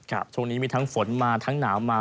ช่วงนี้มีทั้งฝนมาทั้งหนาวมา